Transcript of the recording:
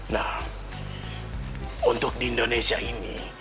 nah untuk di indonesia ini